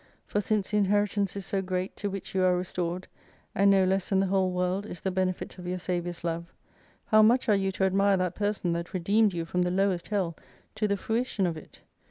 For since the inheritance is so great to which you are restored, and no less than the whole world is the benefit of your Saviour's Love, how much are you to admire that person that redeemed you from the lowest Hell to the fruition of it?